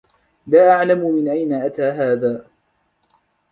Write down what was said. لا أعلم من أين أتى هذا.